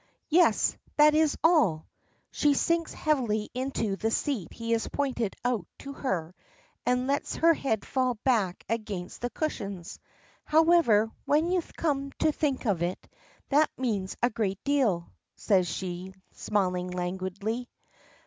"Yes, that is all!" She sinks heavily into the seat he has pointed out to her, and lets her head fall back against the cushions. "However, when you come to think of it, that means a great deal," says she, smiling languidly.